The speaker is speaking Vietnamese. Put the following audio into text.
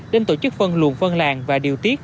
đến tổ chức phân luồng phân làng và điều tiết